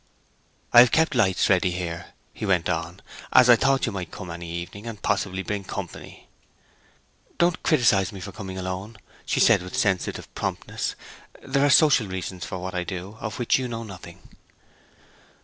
'I have kept lights ready here,' he went on, 'as I thought you might come any evening, and possibly bring company.' 'Don't criticize me for coming alone,' she exclaimed with sensitive promptness. 'There are social reasons for what I do of which you know nothing.'